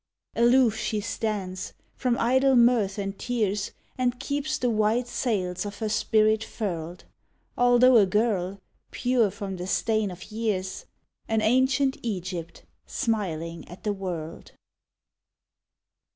Aloof she stands, from idle mirth and tears And keeps the white sails of her spirit furled, Altho' a girl, pure from the stain of years, An ancient Egypt, smiling at the world.